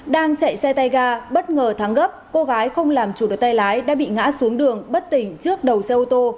đang chạy xe tay ga bất ngờ thắng gấp cô gái không làm chủ được tay lái đã bị ngã xuống đường bất tỉnh trước đầu xe ô tô